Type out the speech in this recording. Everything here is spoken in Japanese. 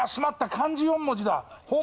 漢字４文字だ。